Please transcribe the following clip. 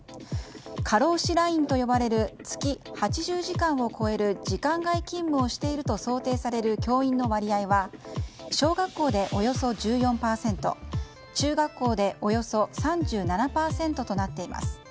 過労死ラインと呼ばれる月８０時間を超える時間外勤務をしていると想定される教員の割合は小学校でおよそ１４％中学校でおよそ３７％となっています。